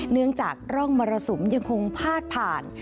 เนื่องจากร่องมรสุมยังคงพาดผ่าน